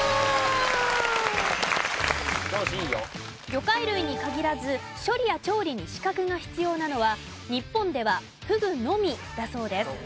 魚介類に限らず処理や調理に資格が必要なのは日本ではふぐのみだそうです。